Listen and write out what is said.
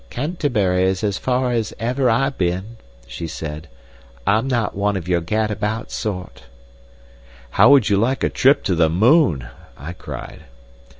"Canterbury's as far as ever I been," she said. "I'm not one of your gad about sort." "How would you like a trip to the moon?" I cried.